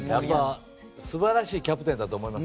素晴らしいキャプテンだと思います。